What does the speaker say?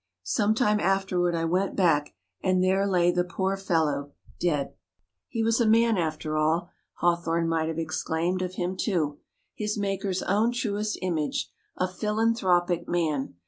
Some time afterward I went back, and there lay the poor fellow, dead!'" "He was a man after all." Hawthorne might have exclaimed of him, too, "his Maker's own truest image, a philanthropic man!